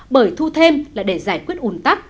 bởi thu thêm là để giải quyết ủn tắc